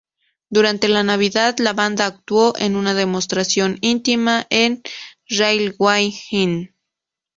Durante la Navidad la banda actuó en una demostración íntima en Railway Inn.